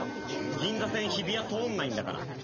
銀座線日比谷通んないんだから。